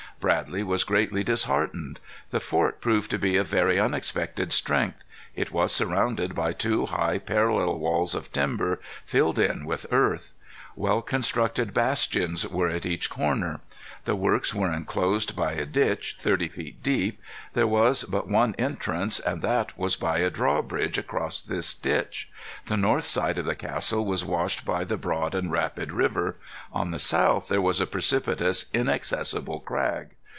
Bradley was greatly disheartened. The fort proved to be of very unexpected strength. It was surrounded by two high parallel walls of timber, filled in with earth. Well constructed bastions were at each corner. The works were enclosed by a ditch, thirty feet deep. There was but one entrance, and that was by a drawbridge across this ditch. The north side of the castle was washed by the broad and rapid river. On the south there was a precipitous inaccessible crag.